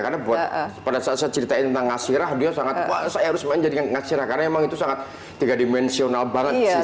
karena buat pada saat saya ceritain tentang ngasirah dia sangat wah saya harus main jadi ngasirah karena emang itu sangat tiga dimensional banget